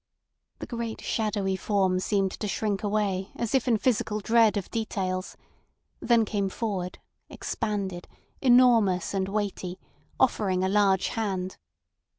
The great shadowy form seemed to shrink away as if in physical dread of details; then came forward, expanded, enormous, and weighty, offering a large hand.